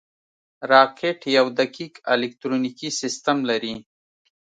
راکټ یو دقیق الکترونیکي سیستم لري